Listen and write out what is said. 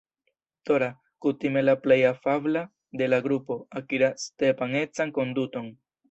Dora, kutime la plej afabla de la grupo, akiras Stepan-ecan konduton.